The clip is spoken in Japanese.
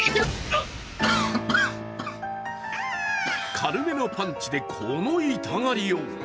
軽めのパンチでこの痛がりよう。